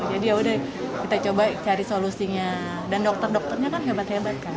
jadi yaudah kita coba cari solusinya dan dokter dokternya kan hebat hebat kan